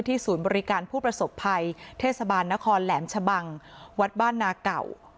ศูนย์บริการผู้ประสบภัยเทศบาลนครแหลมชะบังวัดบ้านนาเก่า